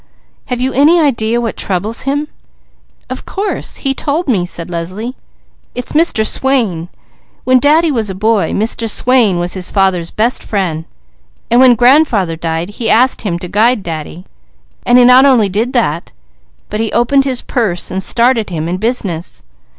"Have you any idea what troubles him?" "Of course! He told me!" said Leslie. "It's Mr. Swain. When Daddy was a boy, Mr. Swain was his father's best friend, and when grandfather died, he asked him to guide Daddy, and he not only did that, but he opened his purse and started him in business.